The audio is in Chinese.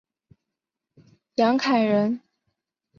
杨凯人。